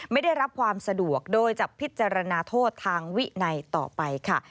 ไม่ได้รับความสะดวกโดยจะพิจารณาโทษทางวินัยต่อไปค่ะ